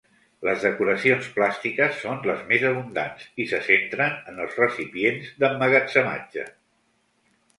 Les decoracions plàstiques són les més abundants, i se centren en els recipients d'emmagatzematge.